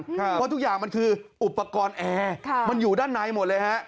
เพราะทุกอย่างมันคืออุปกรณ์แอร์มันอยู่ด้านในหมดเลยฮะ